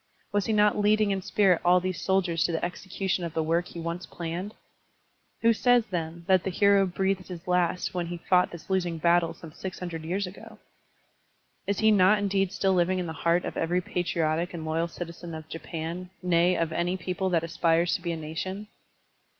Was he not leading in spirit all these soldiers to the execution of the work he once planned? Who says, then, that the hero breathed his last when he fought this losing battle some six hundred years ago? Is he not indeed still living in the heart of every patriotic and loyal citizen of Japan, nay, of any people that aspires to be a nation?